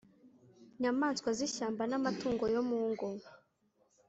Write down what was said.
nyamaswa z'ishyamba n'amatungo yo mu ngo,